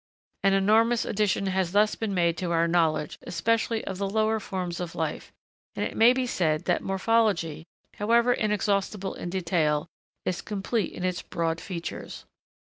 An enormous addition has thus been made to our knowledge, especially of the lower forms of life, and it may be said that morphology, however inexhaustible in detail, is complete in its broad features.